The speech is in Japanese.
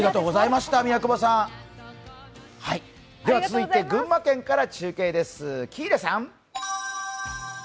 では続いて群馬県から中継です、喜入さん。